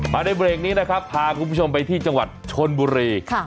ในเบรกนี้นะครับพาคุณผู้ชมไปที่จังหวัดชนบุรี